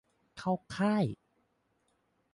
เข้าค่าย ?